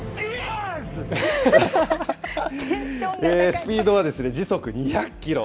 スピードは時速２００キロ。